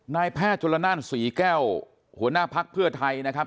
นายแพทย์ชนละนานศรีแก้วหัวหน้าภักดิ์เพื่อไทยนะครับ